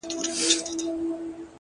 ستا د تن سايه مي په وجود كي ده!!